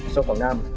sau quảng nam